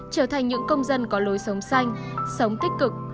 trở thành những công dân có lối sống xanh sống tích cực